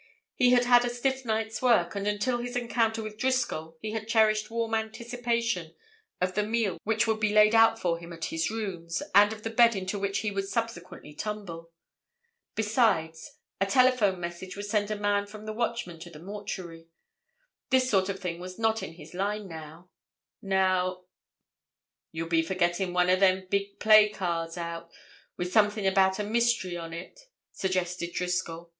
He had had a stiff night's work, and until his encounter with Driscoll he had cherished warm anticipation of the meal which would be laid out for him at his rooms, and of the bed into which he would subsequently tumble. Besides, a telephone message would send a man from the Watchman to the mortuary. This sort of thing was not in his line now, now— "You'll be for getting one o' them big play cards out with something about a mystery on it," suggested Driscoll.